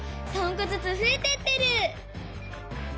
３こずつふえてってる！